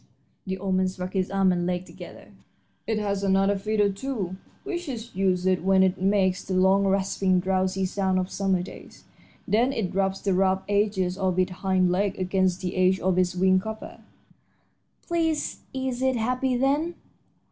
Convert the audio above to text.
And the old man struck his arm and leg together. "It has another fiddle, too, which it uses when it makes the long, rasping, drowsy sound of summer days. Then it rubs the rough edges of its hind leg against the edge of its wing cover." "Please, is it happy, then?"